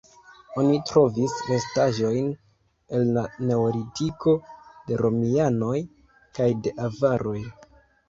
Oni trovis restaĵojn el la neolitiko, de romianoj kaj de avaroj.